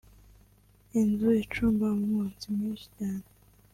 inzu icumba umwotsi mwishi cyane